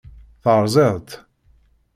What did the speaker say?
Terẓiḍ-t.